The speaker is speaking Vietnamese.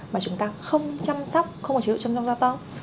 mà chúng ta không chăm sóc không có chế độ chăm sóc da tốt